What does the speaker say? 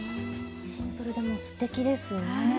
シンプルでもすてきですね。